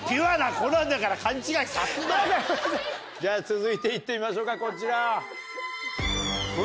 続いて行ってみましょうかこちら。